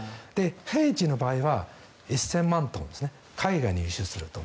平時の場合は１０００万トン海外に輸出すると。